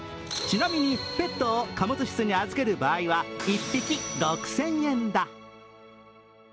ちなみにペットを貨物室に預ける場合は１匹６０００円だ。